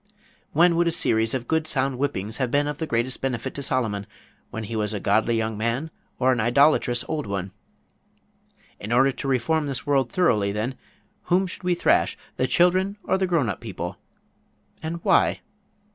When would a series of good sound whippings have been of the greatest benefit to Solomon, when he was a godly young man, or an idolatrous old one? In order to reform this world thoroughly, then, whom should we thrash, the children or the grown up people? And why?